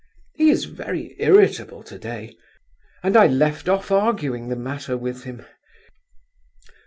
He is very irritable to day, and I left off arguing the matter with him.